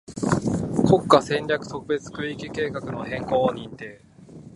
国家戦略特別区域計画の変更を認定